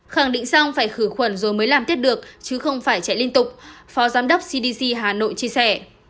khẳng định xong phải khử khuẩn rồi mới làm tiếp được chứ không phải chạy liên tục phó giám đốc cdc hà nội chia sẻ